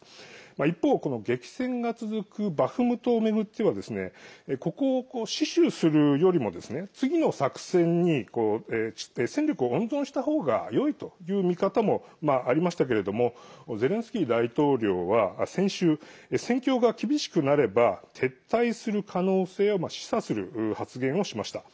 一方、激戦が続くバフムトを巡ってはここを死守するよりも次の作戦に戦力を温存したほうがよいという見方もありましたけれどもゼレンスキー大統領は先週、戦況が厳しくなれば撤退する可能性を示唆する発言をしました。